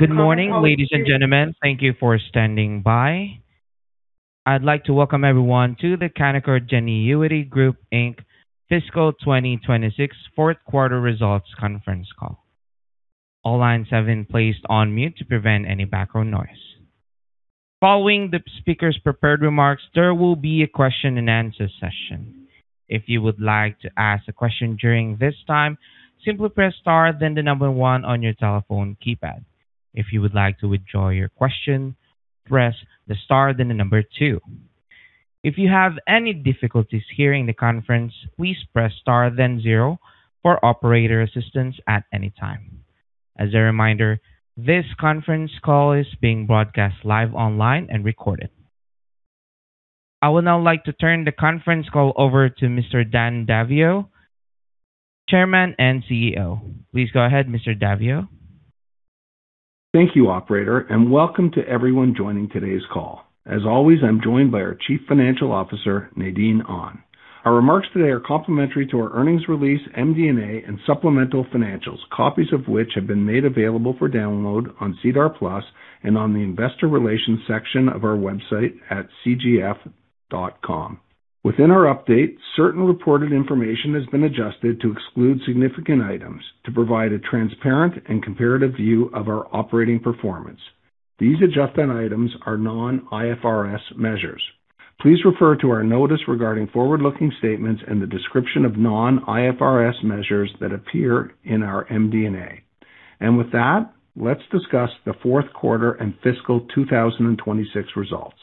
Good morning, ladies and gentlemen. Thank you for standing by. I'd like to welcome everyone to the Canaccord Genuity Group Inc. Fiscal 2026 fourth quarter results conference call. All lines have been placed on mute to prevent any background noise. Following the speaker's prepared remarks, there will be a question and answer session. If you would like to ask a question during this time, simply press star then the number one on your telephone keypad. If you would like to withdraw your question, press the star then the number two. If you have any difficulties hearing the conference, please press star then zero for operator assistance at any time. As a reminder, this conference call is being broadcast live online and recorded. I would now like to turn the conference call over to Mr. Dan Daviau, Chairman and CEO. Please go ahead, Mr. Daviau. Thank you, operator, and welcome to everyone joining today's call. As always, I'm joined by our Chief Financial Officer, Nadine Ahn. Our remarks today are complementary to our earnings release, MD&A, and supplemental financials, copies of which have been made available for download on SEDAR+ and on the investor relations section of our website at cgf.com. Within our update, certain reported information has been adjusted to exclude significant items to provide a transparent and comparative view of our operating performance. These adjusted items are non-IFRS measures. Please refer to our notice regarding forward-looking statements and the description of non-IFRS measures that appear in our MD&A. With that, let's discuss the fourth quarter and fiscal 2026 results.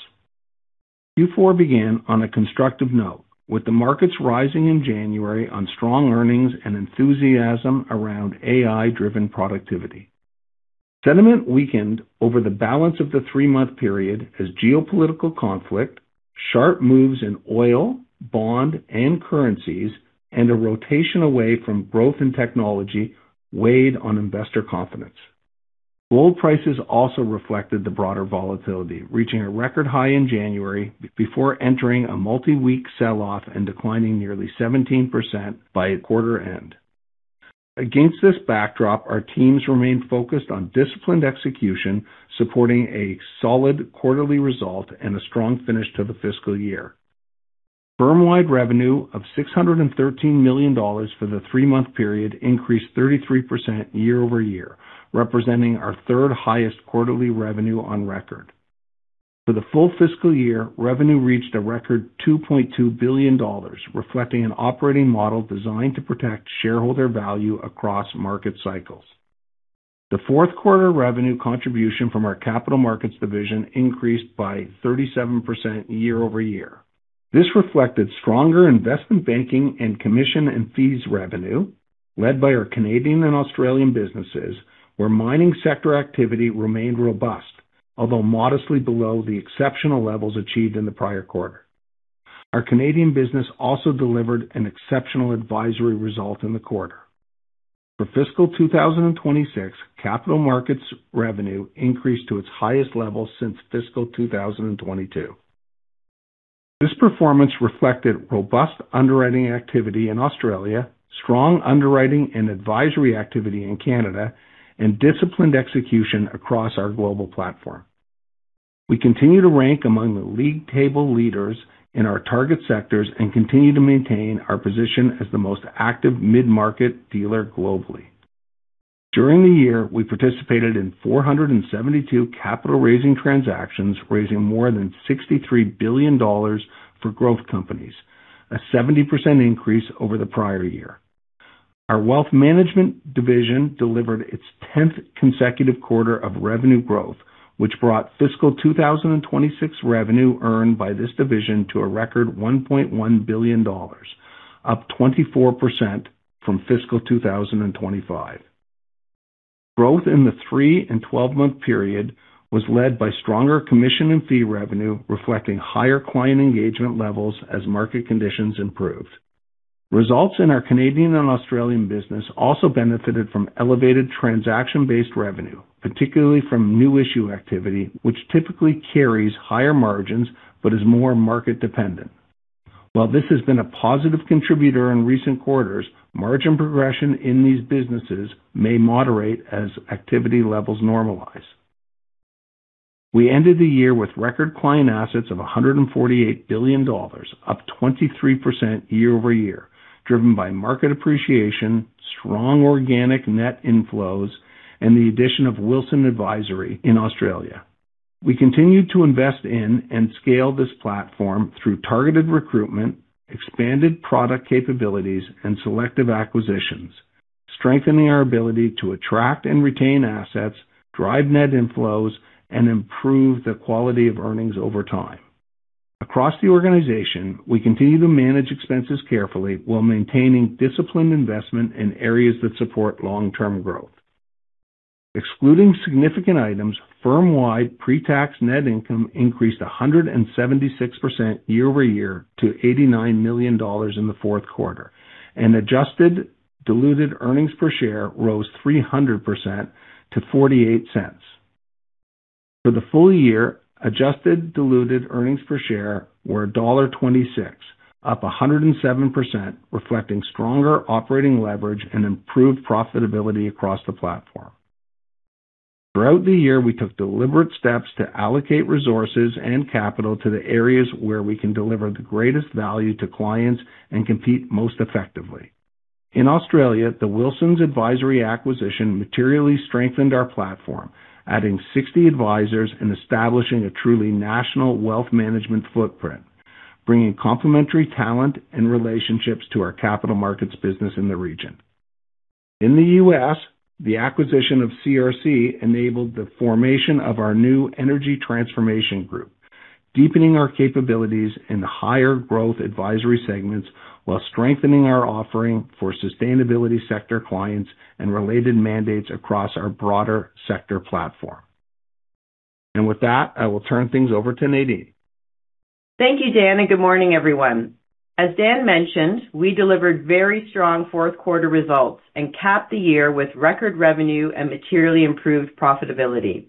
Q4 began on a constructive note, with the markets rising in January on strong earnings and enthusiasm around AI-driven productivity. Sentiment weakened over the balance of the three-month period as geopolitical conflict, sharp moves in oil, bond, and currencies, and a rotation away from growth in technology weighed on investor confidence. Gold prices also reflected the broader volatility, reaching a record high in January before entering a multi-week sell-off and declining nearly 17% by quarter end. Against this backdrop, our teams remained focused on disciplined execution, supporting a solid quarterly result and a strong finish to the fiscal year. Firm-wide revenue of 613 million dollars for the three-month period increased 33% year-over-year, representing our third highest quarterly revenue on record. For the full fiscal year, revenue reached a record 2.2 billion dollars, reflecting an operating model designed to protect shareholder value across market cycles. The fourth quarter revenue contribution from our capital markets division increased by 37% year-over-year. This reflected stronger investment banking and commission and fees revenue led by our Canadian and Australian businesses, where mining sector activity remained robust, although modestly below the exceptional levels achieved in the prior quarter. Our Canadian business also delivered an exceptional advisory result in the quarter. For fiscal 2026, capital markets revenue increased to its highest level since fiscal 2022. This performance reflected robust underwriting activity in Australia, strong underwriting and advisory activity in Canada, and disciplined execution across our global platform. We continue to rank among the league table leaders in our target sectors and continue to maintain our position as the most active mid-market dealer globally. During the year, we participated in 472 capital-raising transactions, raising more than 63 billion dollars for growth companies, a 70% increase over the prior year. Our wealth management division delivered its tenth consecutive quarter of revenue growth, which brought fiscal 2026 revenue earned by this division to a record 1.1 billion dollars, up 24% from fiscal 2025. Growth in the three and 12-month period was led by stronger commission and fee revenue, reflecting higher client engagement levels as market conditions improved. Results in our Canadian and Australian business also benefited from elevated transaction-based revenue, particularly from new issue activity, which typically carries higher margins but is more market-dependent. This has been a positive contributor in recent quarters, margin progression in these businesses may moderate as activity levels normalize. We ended the year with record client assets of 148 billion dollars, up 23% year-over-year, driven by market appreciation, strong organic net inflows, and the addition of Wilsons Advisory in Australia. We continued to invest in and scale this platform through targeted recruitment, expanded product capabilities, and selective acquisitions, strengthening our ability to attract and retain assets, drive net inflows, and improve the quality of earnings over time. Across the organization, we continue to manage expenses carefully while maintaining disciplined investment in areas that support long-term growth. Excluding significant items, firm-wide pre-tax net income increased 176% year-over-year to 89 million dollars in the fourth quarter, and adjusted diluted earnings per share rose 300% to 0.48. For the full year, adjusted diluted earnings per share were dollar 1.26, up 107%, reflecting stronger operating leverage and improved profitability across the platform. Throughout the year, we took deliberate steps to allocate resources and capital to the areas where we can deliver the greatest value to clients and compete most effectively. In Australia, the Wilsons Advisory acquisition materially strengthened our platform, adding 60 advisors and establishing a truly national wealth management footprint, bringing complementary talent and relationships to our capital markets business in the region. In the U.S., the acquisition of CRC enabled the formation of our new Energy Transformation group, deepening our capabilities in the higher growth advisory segments while strengthening our offering for sustainability sector clients and related mandates across our broader sector platform. With that, I will turn things over to Nadine. Thank you, Dan. Good morning, everyone. As Dan mentioned, we delivered very strong fourth quarter results and capped the year with record revenue and materially improved profitability.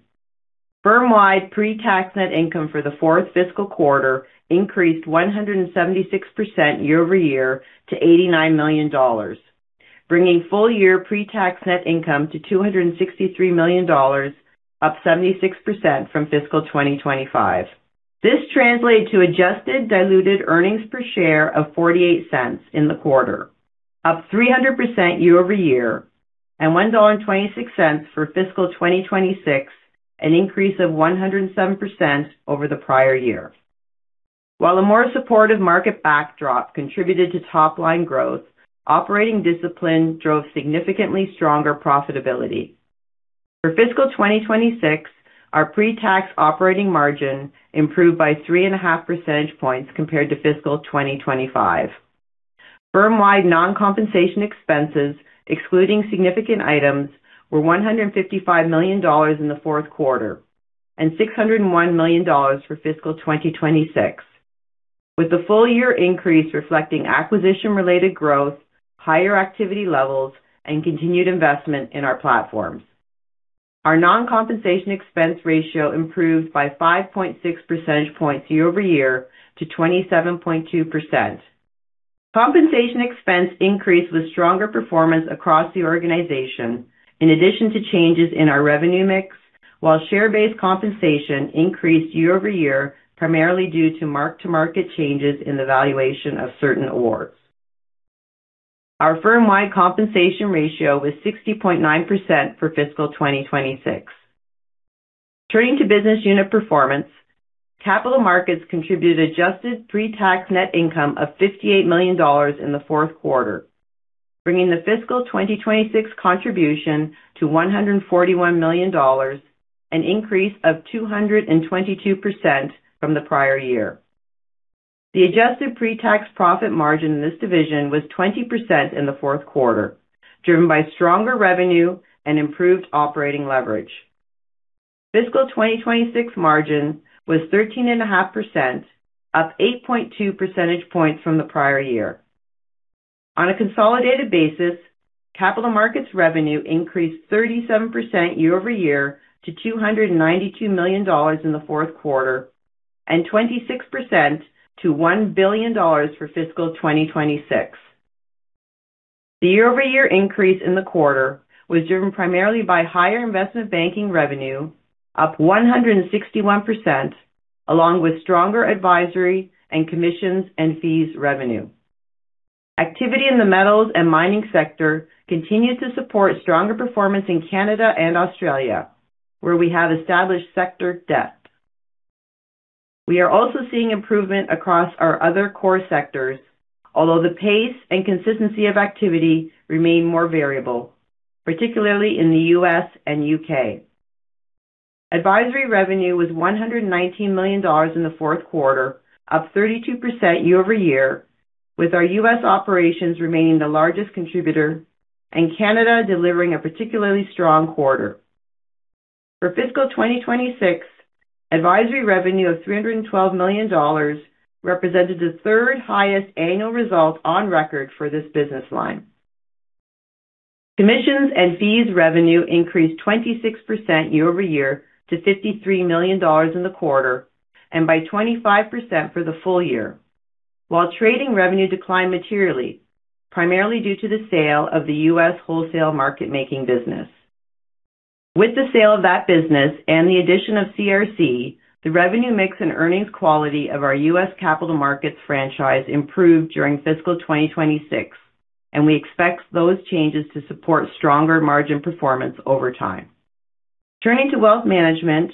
Firm-wide pre-tax net income for the fourth fiscal quarter increased 176% year-over-year to 89 million dollars, bringing full year pre-tax net income to 263 million dollars, up 76% from fiscal 2025. This translated to adjusted diluted earnings per share of 0.48 in the quarter, up 300% year-over-year, and 1.26 dollar for fiscal 2026, an increase of 107% over the prior year. While a more supportive market backdrop contributed to top-line growth, operating discipline drove significantly stronger profitability. For fiscal 2026, our pre-tax operating margin improved by 3.5 percentage points compared to fiscal 2025. Firm-wide non-compensation expenses, excluding significant items, were 155 million dollars in the fourth quarter and 601 million dollars for fiscal 2026, with the full-year increase reflecting acquisition-related growth, higher activity levels, and continued investment in our platforms. Our non-compensation expense ratio improved by 5.6 percentage points year-over-year to 27.2%. Compensation expense increased with stronger performance across the organization in addition to changes in our revenue mix, while share-based compensation increased year-over-year, primarily due to mark-to-market changes in the valuation of certain awards. Our firm-wide compensation ratio was 60.9% for fiscal 2026. Turning to business unit performance, Capital Markets contributed adjusted pre-tax net income of 58 million dollars in the fourth quarter, bringing the fiscal 2026 contribution to 141 million dollars, an increase of 222% from the prior year. The adjusted pre-tax profit margin in this division was 20% in the fourth quarter, driven by stronger revenue and improved operating leverage. Fiscal 2026 margin was 13.5%, up 8.2 percentage points from the prior year. On a consolidated basis, capital markets revenue increased 37% year-over-year to 292 million dollars in the fourth quarter and 26% to 1 billion dollars for fiscal 2026. The year-over-year increase in the quarter was driven primarily by higher investment banking revenue, up 161%, along with stronger advisory and commissions and fees revenue. Activity in the metals and mining sector continued to support stronger performance in Canada and Australia, where we have established sector depth. We are also seeing improvement across our other core sectors, although the pace and consistency of activity remain more variable, particularly in the U.S. and U.K. Advisory revenue was 119 million dollars in the fourth quarter, up 32% year-over-year, with our U.S. operations remaining the largest contributor and Canada delivering a particularly strong quarter. For fiscal 2026, advisory revenue of 312 million dollars represented the third highest annual result on record for this business line. Commissions and fees revenue increased 26% year-over-year to 53 million dollars in the quarter and by 25% for the full year, while trading revenue declined materially, primarily due to the sale of the U.S. wholesale market-making business. With the sale of that business and the addition of CRC, the revenue mix and earnings quality of our U.S. capital markets franchise improved during fiscal 2026, and we expect those changes to support stronger margin performance over time. Turning to wealth management,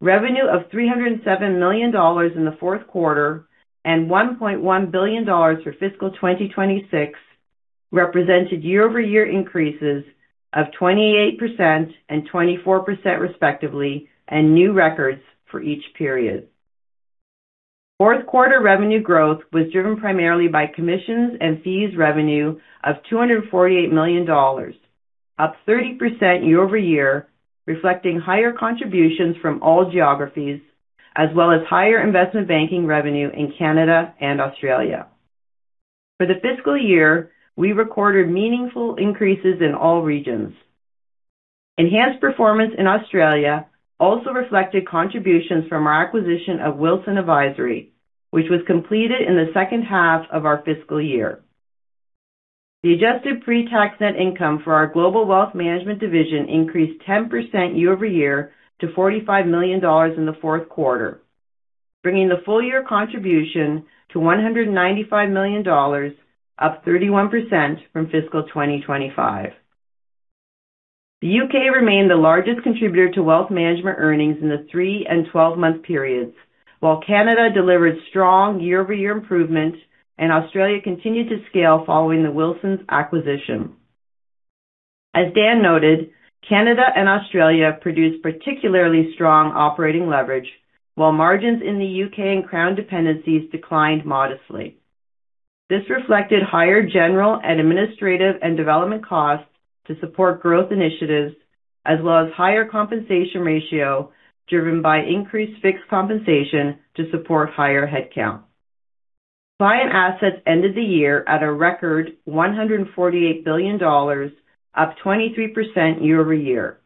revenue of 307 million dollars in the fourth quarter and 1.1 billion dollars for fiscal 2026 represented year-over-year increases of 28% and 24% respectively, and new records for each period. Fourth quarter revenue growth was driven primarily by commissions and fees revenue of 248 million dollars, up 30% year-over-year, reflecting higher contributions from all geographies as well as higher investment banking revenue in Canada and Australia. For the fiscal year, we recorded meaningful increases in all regions. Enhanced performance in Australia also reflected contributions from our acquisition of Wilsons Advisory, which was completed in the second half of our fiscal year. The adjusted pre-tax net income for our global wealth management division increased 10% year-over-year to 45 million dollars in the fourth quarter, bringing the full year contribution to 195 million dollars, up 31% from fiscal 2025. The U.K. remained the largest contributor to wealth management earnings in the three and 12-month periods, while Canada delivered strong year-over-year improvement and Australia continued to scale following the Wilsons acquisition. As Dan noted, Canada and Australia produced particularly strong operating leverage, while margins in the U.K. and Crown dependencies declined modestly. This reflected higher general and administrative and development costs to support growth initiatives, as well as higher compensation ratio driven by increased fixed compensation to support higher headcount. Client assets ended the year at a record 148 billion dollars, up 23% year-over-year.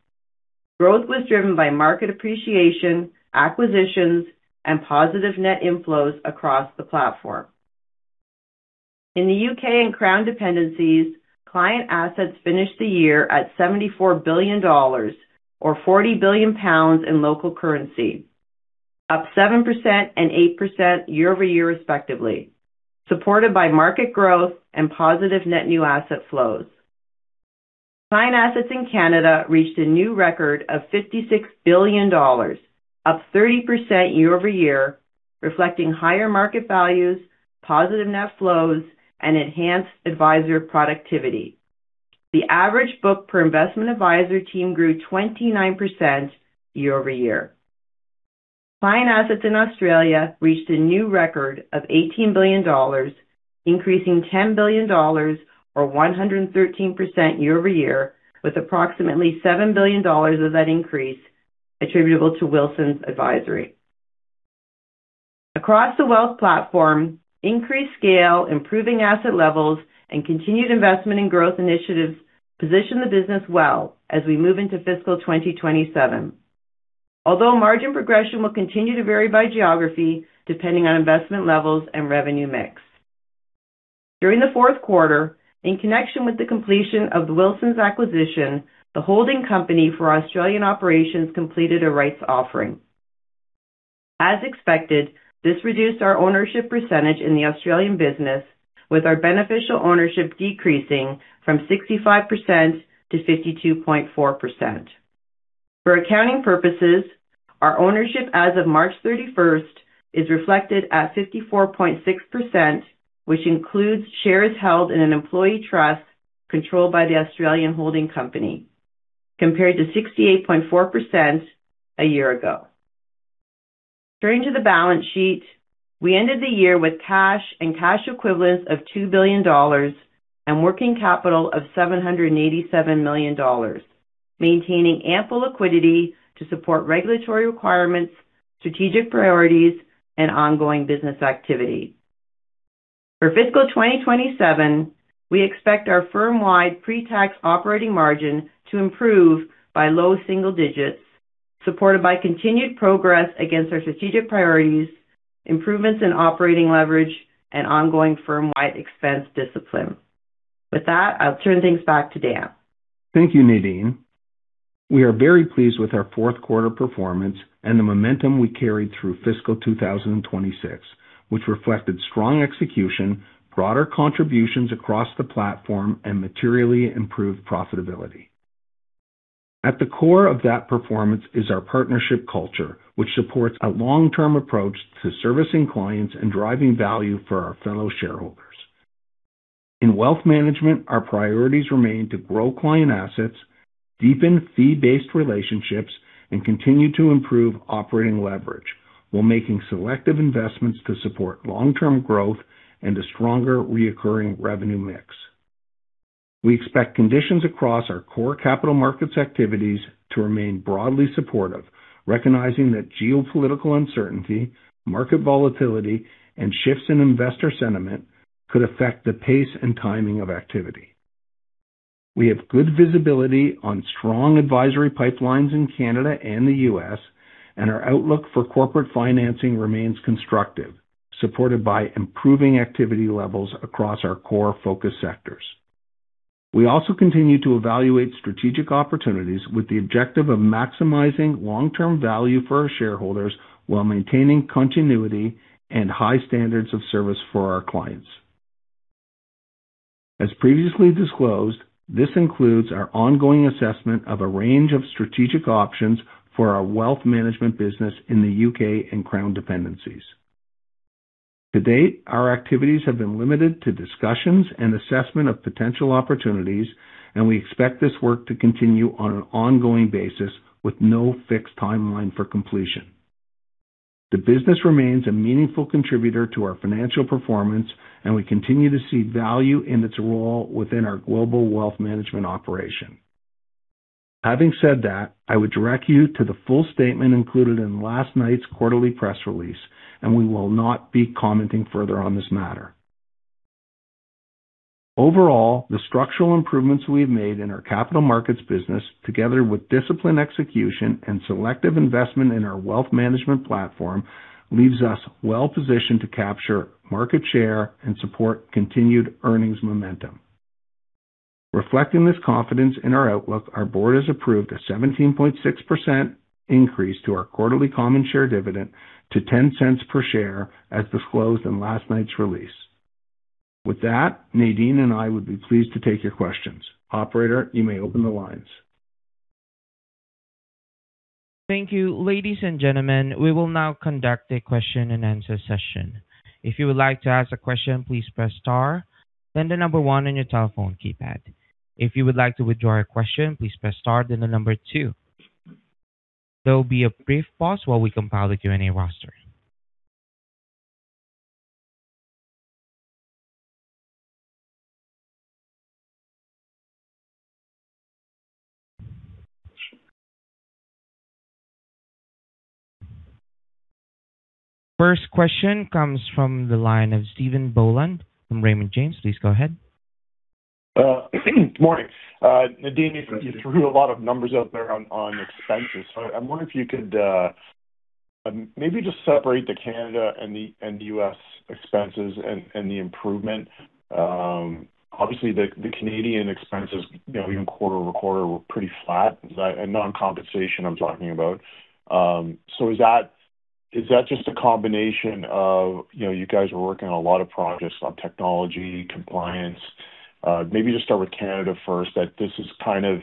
Growth was driven by market appreciation, acquisitions, and positive net inflows across the platform. In the U.K. and Crown dependencies, client assets finished the year at 74 billion dollars, or 40 billion pounds in local currency, up 7% and 8% year-over-year respectively, supported by market growth and positive net new asset flows. Client assets in Canada reached a new record of 56 billion dollars, up 30% year-over-year, reflecting higher market values, positive net flows, and enhanced advisor productivity. The average book per investment advisor team grew 29% year-over-year. Client assets in Australia reached a new record of 18 billion dollars, increasing 10 billion dollars or 113% year-over-year, with approximately 7 billion dollars of that increase attributable to Wilsons Advisory. Across the wealth platform, increased scale, improving asset levels, and continued investment in growth initiatives position the business well as we move into fiscal 2027. Although margin progression will continue to vary by geography depending on investment levels and revenue mix. During the fourth quarter, in connection with the completion of the Wilsons acquisition, the holding company for Australian operations completed a rights offering. As expected, this reduced our ownership percentage in the Australian business with our beneficial ownership decreasing from 65%-52.4%. For accounting purposes, our ownership as of March 31st is reflected at 54.6%, which includes shares held in an employee trust controlled by the Australian holding company, compared to 68.4% a year ago. Turning to the balance sheet, we ended the year with cash and cash equivalents of 2 billion dollars and working capital of 787 million dollars, maintaining ample liquidity to support regulatory requirements, strategic priorities, and ongoing business activity. For fiscal 2027, we expect our firm-wide pre-tax operating margin to improve by low single digits, supported by continued progress against our strategic priorities, improvements in operating leverage, and ongoing firm-wide expense discipline. With that, I'll turn things back to Dan. Thank you, Nadine. We are very pleased with our fourth quarter performance and the momentum we carried through fiscal 2026, which reflected strong execution, broader contributions across the platform, and materially improved profitability. At the core of that performance is our partnership culture, which supports a long-term approach to servicing clients and driving value for our fellow shareholders. In wealth management, our priorities remain to grow client assets, deepen fee-based relationships, and continue to improve operating leverage while making selective investments to support long-term growth and a stronger reoccurring revenue mix. We expect conditions across our core capital markets activities to remain broadly supportive, recognizing that geopolitical uncertainty, market volatility, and shifts in investor sentiment could affect the pace and timing of activity. We have good visibility on strong advisory pipelines in Canada and the U.S., our outlook for corporate financing remains constructive, supported by improving activity levels across our core focus sectors. We also continue to evaluate strategic opportunities with the objective of maximizing long-term value for our shareholders while maintaining continuity and high standards of service for our clients. As previously disclosed, this includes our ongoing assessment of a range of strategic options for our wealth management business in the U.K. and Crown dependencies. To date, our activities have been limited to discussions and assessment of potential opportunities, we expect this work to continue on an ongoing basis with no fixed timeline for completion. The business remains a meaningful contributor to our financial performance, and we continue to see value in its role within our global wealth management operation. Having said that, I would direct you to the full statement included in last night's quarterly press release, and we will not be commenting further on this matter. Overall, the structural improvements we've made in our capital markets business, together with disciplined execution and selective investment in our wealth management platform, leaves us well-positioned to capture market share and support continued earnings momentum. Reflecting this confidence in our outlook, our board has approved a 17.6% increase to our quarterly common share dividend to 0.10 per share, as disclosed in last night's release. With that, Nadine and I would be pleased to take your questions. Operator, you may open the lines. Thank you. Ladies and gentlemen, we will now conduct a question and answer session. If you would like to ask a question, please press star, then the number one on your telephone keypad. If you would like to withdraw your question, please press star, then the number two. There will be a brief pause while we compile the Q&A roster. First question comes from the line of Stephen Boland from Raymond James. Please go ahead. Good morning. Nadine, you threw a lot of numbers out there on expenses. I wonder if you could maybe just separate the Canada and the U.S. expenses and the improvement. Obviously, the Canadian expenses even quarter-over-quarter were pretty flat. Non-compensation, I'm talking about. Is that just a combination of you guys are working on a lot of projects on technology, compliance? Maybe just start with Canada first, that this is kind of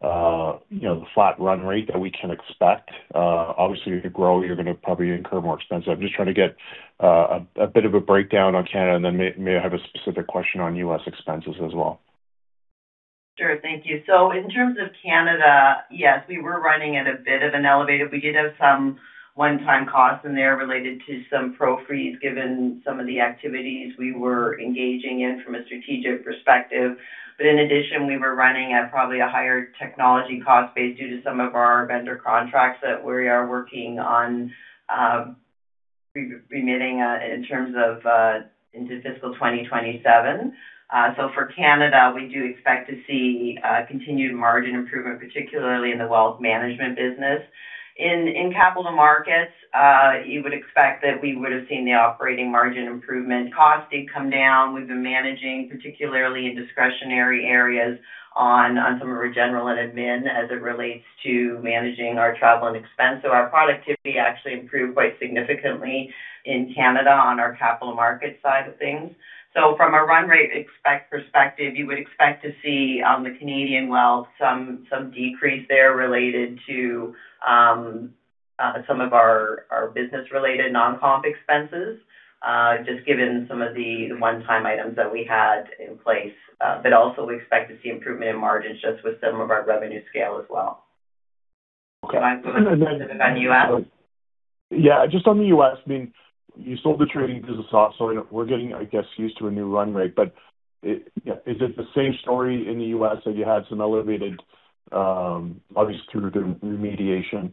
the flat run rate that we can expect. Obviously, you grow, you're going to probably incur more expense. I'm just trying to get a bit of a breakdown on Canada, and then may I have a specific question on U.S. expenses as well. Sure. Thank you. In terms of Canada, yes, we were running at a bit of an elevated. We did have some one-time costs in there related to some pro fees, given some of the activities we were engaging in from a strategic perspective. In addition, we were running at probably a higher technology cost base due to some of our vendor contracts that we are working on remitting in terms of into fiscal 2027. For Canada, we do expect to see continued margin improvement, particularly in the wealth management business. In capital markets, you would expect that we would have seen the operating margin improvement. Costs did come down. We've been managing, particularly in discretionary areas on some of our general and admin as it relates to managing our travel and expense. Our productivity actually improved quite significantly in Canada on our capital markets side of things. From a run rate perspective, you would expect to see on the Canadian wealth some decrease there related to some of our business-related non-comp expenses, just given some of the one-time items that we had in place. Also we expect to see improvement in margins just with some of our revenue scale as well. Okay. U.S. Just on the U.S., you sold the trading business off, so we're getting, I guess, used to a new run rate. Is it the same story in the U.S. that you had some elevated, obviously due to remediation,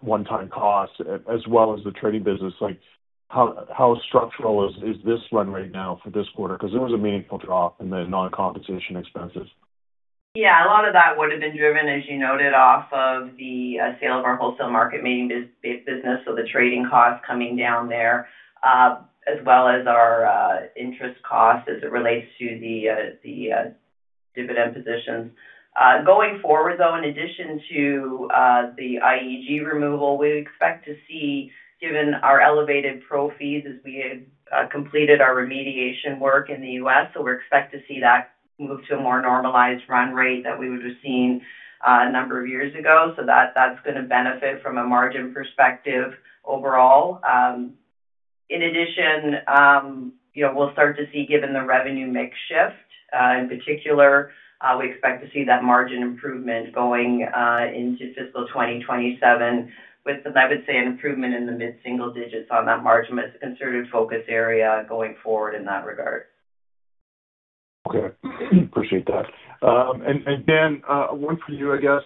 one-time costs as well as the trading business? How structural is this run rate now for this quarter? It was a meaningful drop in the non-compensation expenses. Yeah, a lot of that would have been driven, as you noted, off of the sale of our wholesale market-making-based business. The trading costs coming down there, as well as our interest costs as it relates to the dividend positions. Going forward, though, in addition to the[ E] removal, we expect to see, given our elevated pro fees as we had completed our remediation work in the U.S. We expect to see that move to a more normalized run rate that we would have seen a number of years ago. That's going to benefit from a margin perspective overall. In addition, we'll start to see, given the revenue mix shift, in particular, we expect to see that margin improvement going into fiscal 2027 with, I would say, an improvement in the mid-single digits on that margin, but it's a concerted focus area going forward in that regard. Okay. Appreciate that. Dan, one for you, I guess.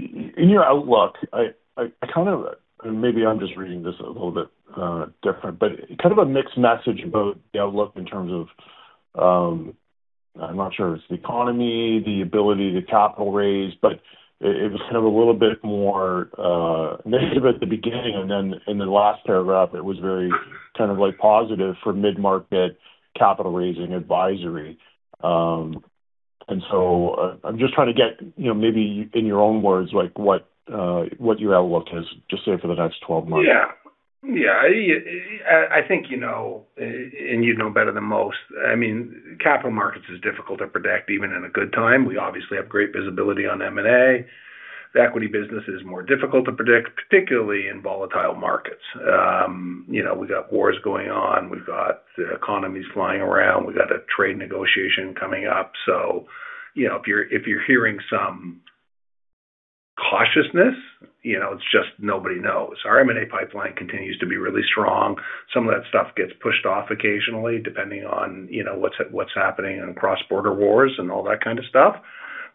In your outlook, maybe I'm just reading this a little bit different, but kind of a mixed message about the outlook in terms of, I'm not sure if it's the economy, the ability to capital raise, but it was kind of a little bit more negative at the beginning, and then in the last paragraph, it was very kind of positive for mid-market capital raising advisory. I'm just trying to get maybe in your own words, what your outlook is, just say for the next 12 months. Yeah. I think you know, and you'd know better than most, capital markets is difficult to predict even in a good time. We obviously have great visibility on M&A. The equity business is more difficult to predict, particularly in volatile markets. We got wars going on. We've got the economies flying around. We got a trade negotiation coming up. If you're hearing some cautiousness. It's just nobody knows. Our M&A pipeline continues to be really strong. Some of that stuff gets pushed off occasionally, depending on what's happening in cross-border wars and all that kind of stuff.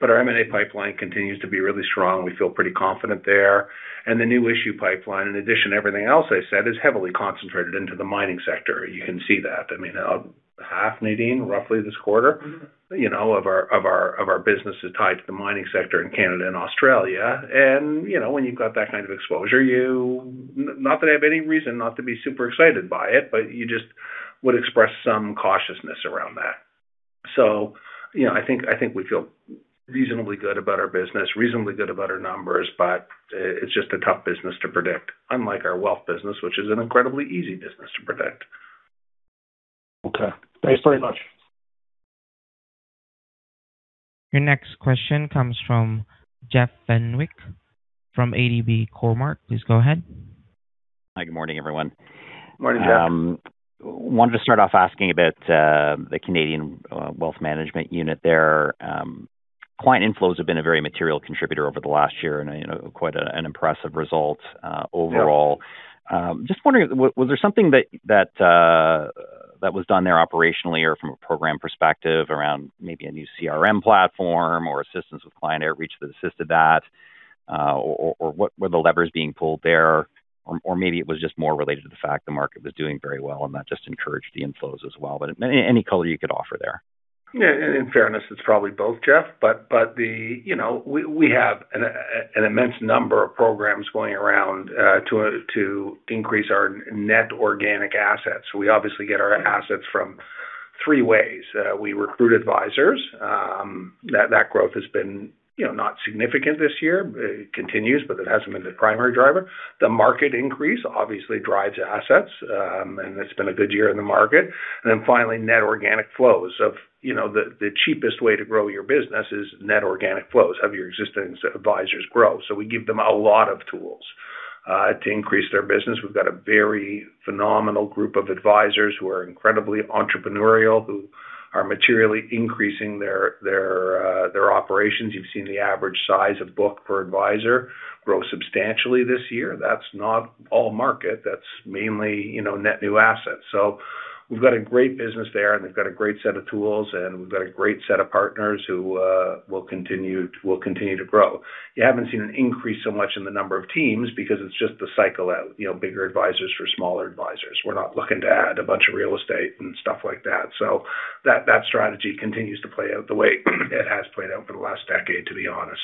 Our M&A pipeline continues to be really strong. We feel pretty confident there. The new issue pipeline, in addition to everything else I said, is heavily concentrated into the mining sector. You can see that. I mean, half, Nadine, roughly this quarter of our business is tied to the mining sector in Canada and Australia. When you've got that kind of exposure, not that I have any reason not to be super excited by it, but you just would express some cautiousness around that. I think we feel reasonably good about our business, reasonably good about our numbers, but it's just a tough business to predict. Unlike our wealth business, which is an incredibly easy business to predict. Okay. Thanks very much. Your next question comes from Jeff Fenwick from ATB Cormark. Please go ahead. Hi. Good morning, everyone. Morning, Jeff. Wanted to start off asking about the Canadian wealth management unit there. Client inflows have been a very material contributor over the last year and quite an impressive result overall. Yeah. Just wondering, was there something that was done there operationally or from a program perspective around maybe a new CRM platform or assistance with client outreach that assisted that? What were the levers being pulled there? Maybe it was just more related to the fact the market was doing very well and that just encouraged the inflows as well. Any color you could offer there. Yeah. In fairness, it is probably both, Jeff. We have an immense number of programs going around to increase our net organic assets. We obviously get our assets from three ways. We recruit advisors. That growth has been not significant this year. It continues, but it has not been the primary driver. The market increase obviously drives assets, and it has been a good year in the market. Finally, net organic flows. The cheapest way to grow your business is net organic flows, have your existing advisors grow. We give them a lot of tools to increase their business. We have got a very phenomenal group of advisors who are incredibly entrepreneurial, who are materially increasing their operations. You have seen the average size of book per advisor grow substantially this year. That is not all market. That is mainly net new assets. We've got a great business there, and they've got a great set of tools, and we've got a great set of partners who will continue to grow. You haven't seen an increase so much in the number of teams because it's just the cycle out, bigger advisors for smaller advisors. We're not looking to add a bunch of real estate and stuff like that. That strategy continues to play out the way it has played out for the last decade, to be honest.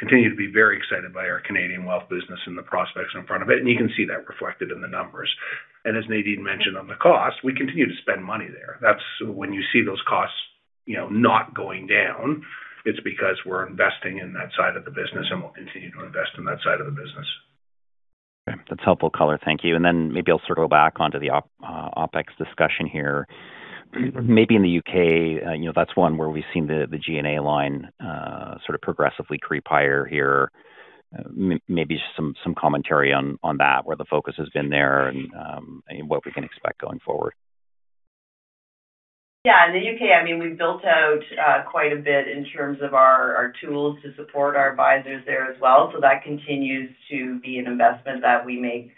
Continue to be very excited by our Canadian wealth business and the prospects in front of it, and you can see that reflected in the numbers. As Nadine mentioned on the cost, we continue to spend money there. When you see those costs not going down, it's because we're investing in that side of the business, and we'll continue to invest in that side of the business. Okay. That's helpful color. Thank you. Maybe I'll circle back onto the OpEx discussion here. Maybe in the U.K., that's one where we've seen the G&A line sort of progressively creep higher here. Maybe just some commentary on that, where the focus has been there and what we can expect going forward. In the U.K., we've built out quite a bit in terms of our tools to support our advisors there as well. That continues to be an investment that we make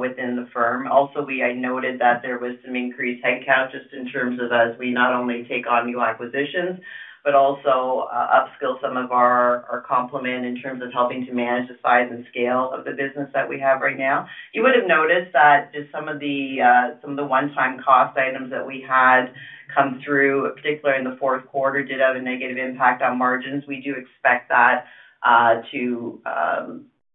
within the firm. Also, I noted that there was some increased headcount just in terms of as we not only take on new acquisitions, but also upskill some of our complement in terms of helping to manage the size and scale of the business that we have right now. You would've noticed that just some of the one-time cost items that we had come through, particularly in the fourth quarter, did have a negative impact on margins. We do expect that to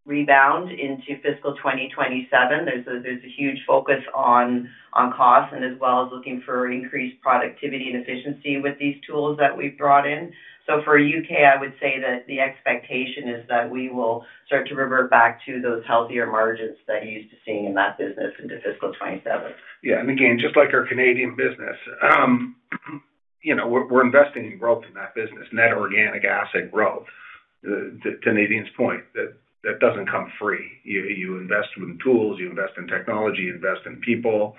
rebound into fiscal 2027. There's a huge focus on cost and as well as looking for increased productivity and efficiency with these tools that we've brought in. For U.K., I would say that the expectation is that we will start to revert back to those healthier margins that you're used to seeing in that business into FY 2027. Again, just like our Canadian business, we're investing in growth in that business, net organic asset growth. To Nadine's point, that doesn't come free. You invest in tools, you invest in technology, you invest in people.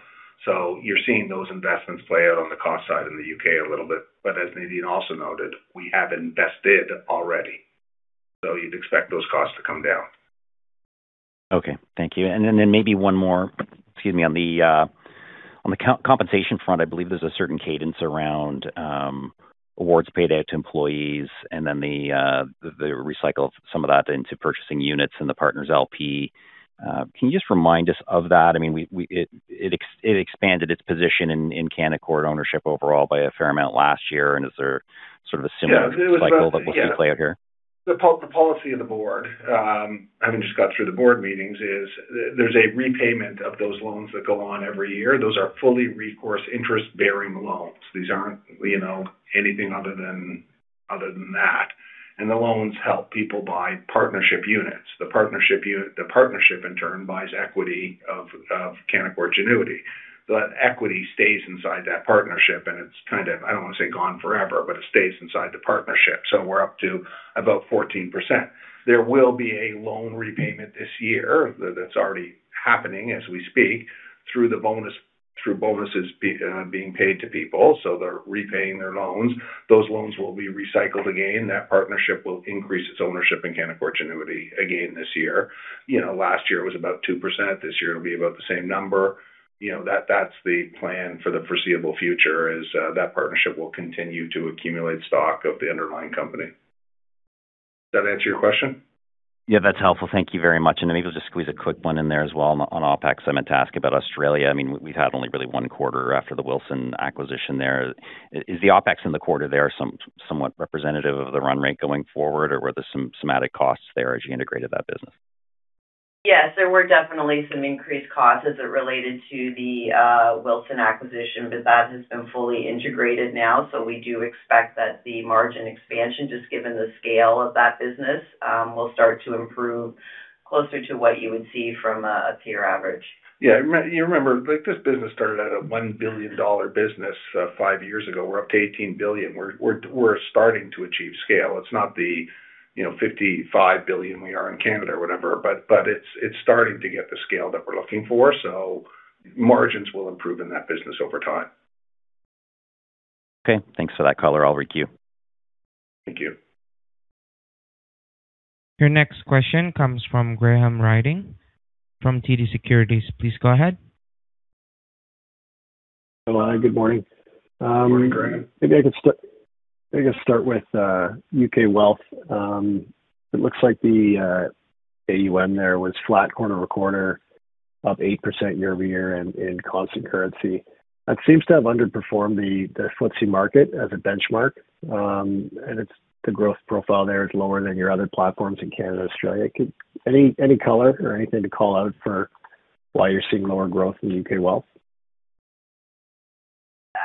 You're seeing those investments play out on the cost side in the U.K. a little bit. As Nadine also noted, we have invested already. You'd expect those costs to come down. Okay. Thank you. Then maybe one more. Excuse me. On the compensation front, I believe there's a certain cadence around awards paid out to employees, and then they recycle some of that into purchasing units in the partners LP. Can you just remind us of that? I mean, it expanded its position in Canaccord ownership overall by a fair amount last year. Is there sort of a similar cycle that we'll see play out here? The policy of the board, having just got through the board meetings, is there's a repayment of those loans that go on every year. Those are fully recourse interest-bearing loans. These aren't anything other than that. The loans help people buy partnership units. The partnership, in turn, buys equity of Canaccord Genuity. That equity stays inside that partnership, and it's kind of, I don't want to say gone forever, but it stays inside the partnership. We're up to about 14%. There will be a loan repayment this year that's already happening as we speak through bonuses being paid to people, so they're repaying their loans. Those loans will be recycled again. That partnership will increase its ownership in Canaccord Genuity again this year. Last year was about 2%. This year it'll be about the same number. That's the plan for the foreseeable future, is that partnership will continue to accumulate stock of the underlying company. Does that answer your question? Yeah, that's helpful. Thank you very much. Then maybe I'll just squeeze a quick one in there as well on OpEx. I meant to ask about Australia. We've had only really one quarter after the Wilsons acquisition there. Is the OpEx in the quarter there somewhat representative of the run rate going forward, or were there some systemic costs there as you integrated that business? Yes, there were definitely some increased costs as it related to the Wilsons acquisition, but that has been fully integrated now. So we do expect that the margin expansion, just given the scale of that business, will start to improve closer to what you would see from a peer average. You remember, this business started at a 1 billion dollar business five years ago. We're up to 18 billion. We're starting to achieve scale. It's not the 55 billion we are in Canada or whatever, but it's starting to get the scale that we're looking for. Margins will improve in that business over time. Okay. Thanks for that color. I'll requeue. Thank you. Your next question comes from Graham Ryding from TD Securities. Please go ahead. Hello. Good morning. Morning, Graham. Maybe I could start with U.K. Wealth. It looks like the AUM there was flat quarter-over-quarter, up 8% year-over-year in constant currency. That seems to have underperformed the FTSE market as a benchmark. The growth profile there is lower than your other platforms in Canada, Australia. Any color or anything to call out for why you're seeing lower growth in U.K. Wealth?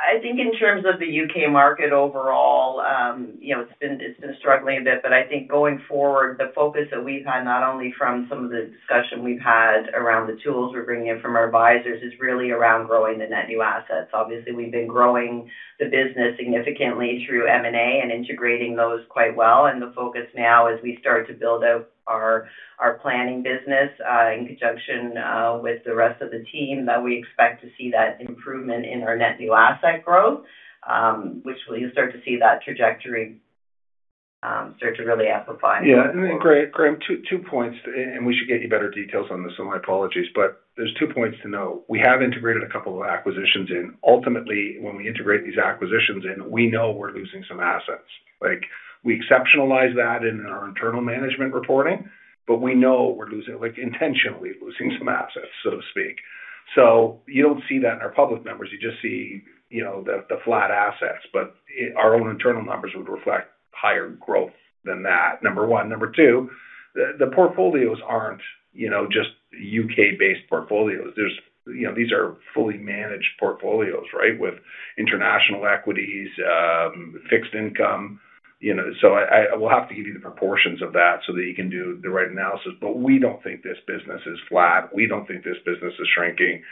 I think in terms of the U.K. market overall, it's been struggling a bit. I think going forward, the focus that we've had, not only from some of the discussion we've had around the tools we're bringing in from our advisors, is really around growing the net new assets. Obviously, we've been growing the business significantly through M&A and integrating those quite well. The focus now as we start to build out our planning business in conjunction with the rest of the team, that we expect to see that improvement in our net new asset growth, which you'll start to see that trajectory start to really amplify going forward. Yeah. Graham, two points, and we should get you better details on this, so my apologies. There are two points to note. We have integrated a couple of acquisitions in. Ultimately, when we integrate these acquisitions in, we know we're losing some assets. We exceptionalize that in our internal management reporting, but we know we're intentionally losing some assets, so to speak. You don't see that in our public numbers. You just see the flat assets. Our own internal numbers would reflect higher growth than that, number one. Number two, the portfolios aren't just U.K.-based portfolios. These are fully managed portfolios with international equities, fixed income. I will have to give you the proportions of that so that you can do the right analysis. We don't think this business is flat. We don't think this business is shrinking.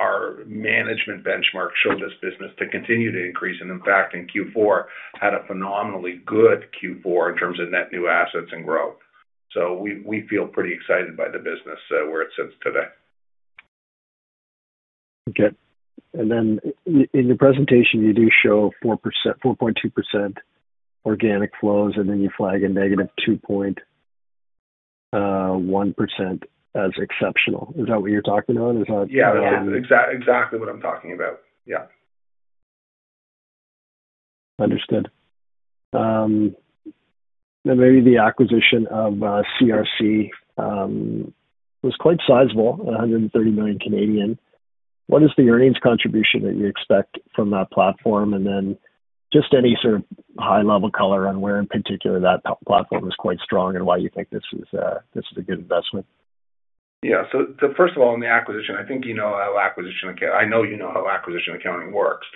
Our management benchmark showed this business to continue to increase. In fact, in Q4, had a phenomenally good Q4 in terms of net new assets and growth. We feel pretty excited by the business where it sits today. Okay. In your presentation, you do show 4.2% organic flows, and then you flag a -2.1% as exceptional. Is that what you're talking about? Yeah. Exactly what I'm talking about. Yeah. Understood. Maybe the acquisition of CRC was quite sizable, 130 million. What is the earnings contribution that you expect from that platform? Just any sort of high-level color on where in particular that platform is quite strong and why you think this is a good investment. Yeah. First of all, on the acquisition, I think you know how acquisition accounting works.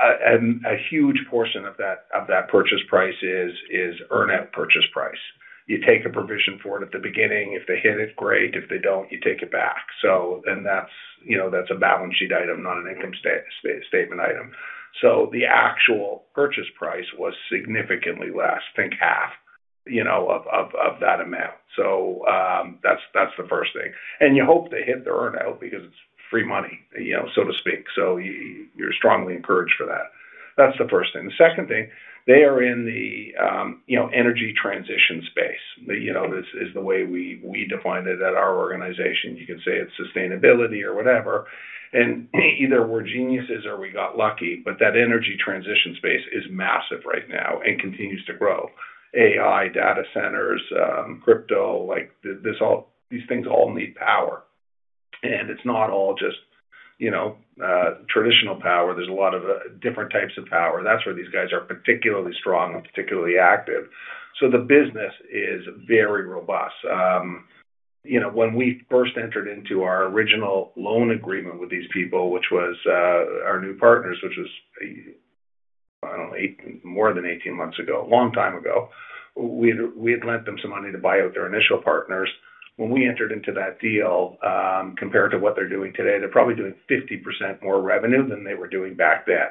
A huge portion of that purchase price is earn-out purchase price. You take a provision for it at the beginning. If they hit it, great. If they don't, you take it back. That's a balance sheet item, not an income statement item. The actual purchase price was significantly less, think half of that amount. That's the first thing. You hope they hit the earn-out because it's free money, so to speak. You're strongly encouraged for that. That's the first thing. The second thing, they are in the Energy Transition space. This is the way we define it at our organization. You can say it's sustainability or whatever. Either we're geniuses or we got lucky, that Energy Transition space is massive right now and continues to grow. AI, data centers, crypto, these things all need power. It's not all just traditional power. There's a lot of different types of power. That's where these guys are particularly strong and particularly active. The business is very robust. When we first entered into our original loan agreement with these people, which was our new partners, which was more than 18 months ago, a long time ago. We had lent them some money to buy out their initial partners. When we entered into that deal, compared to what they're doing today, they're probably doing 50% more revenue than they were doing back then.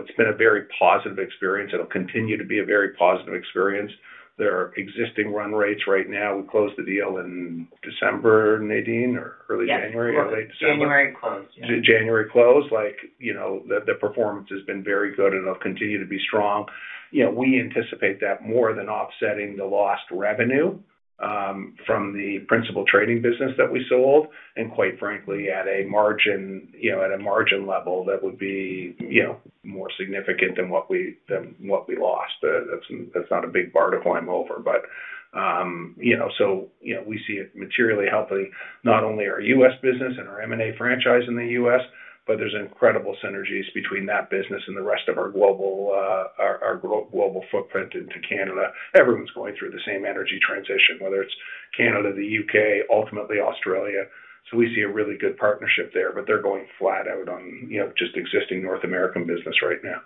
It's been a very positive experience. It'll continue to be a very positive experience. Their existing run rates right now, we closed the deal in December, Nadine, or early January or late December? January close, yeah. January close. The performance has been very good and it'll continue to be strong. We anticipate that more than offsetting the lost revenue from the principal trading business that we sold, and quite frankly, at a margin level that would be more significant than what we lost. That's not a big bar to climb over. We see it materially helping not only our U.S. business and our M&A franchise in the U.S., but there's incredible synergies between that business and the rest of our global footprint into Canada. Everyone's going through the same energy transition, whether it's Canada, the U.K., ultimately Australia. We see a really good partnership there, but they're going flat out on just existing North American business right now.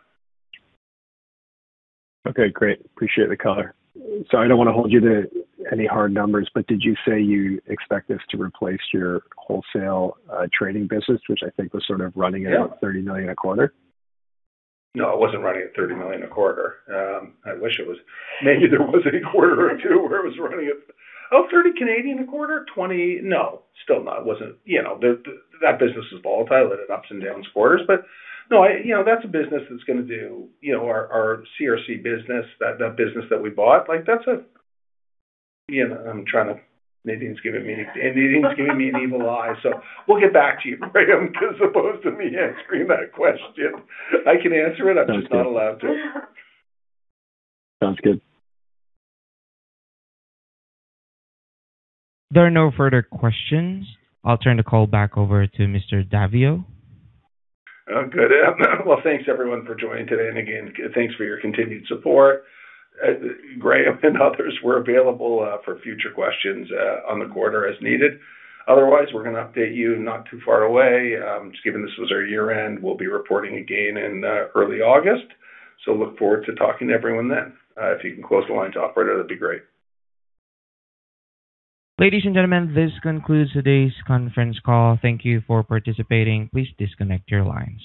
Okay, great. Appreciate the color. I don't want to hold you to any hard numbers, but did you say you expect this to replace your wholesale trading business, which I think was sort of running at about 30 million a quarter? No, it wasn't running at 30 million a quarter. I wish it was. Maybe there was a quarter or two where it was running at 30 a quarter? Still not. That business is volatile. It had ups and downs quarters. No, that's a business that's going to do, our CRC business, the business that we bought. Nadine's giving me an evil eye. We'll get back to you, Graham, as opposed to me answering that question. I can answer it, I'm just not allowed to. Sounds good. There are no further questions. I'll turn the call back over to Mr. Daviau. Oh, good. Well, thanks everyone for joining today. Again, thanks for your continued support. Graham and others, we're available for future questions on the quarter as needed. Otherwise, we're going to update you not too far away. Just given this was our year-end, we'll be reporting again in early August. Look forward to talking to everyone then. If you can close the line to operator, that'd be great. Ladies and gentlemen, this concludes today's conference call. Thank you for participating. Please disconnect your lines.